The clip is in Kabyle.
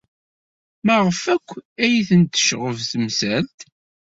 Maɣef akk ay tent-tecɣeb temsalt?